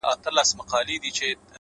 هره ورځ د نوې لارې احتمال شته